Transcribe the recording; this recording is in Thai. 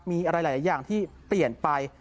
มีอะไรหลายอย่างที่เปลี่ยนไป